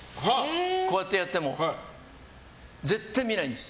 こうやってやっても絶対見ないんです。